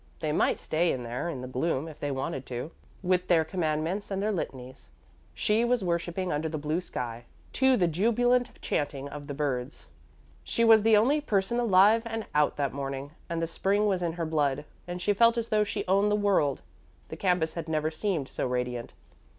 They might stay in there in the gloom, if they wanted to, with their commandments and their litanies. She was worshiping under the blue sky, to the jubilant chanting of the birds. She was the only person alive and out that morning, and the spring was in her blood, and she felt as though she owned the world. The campus had never seemed so radiant.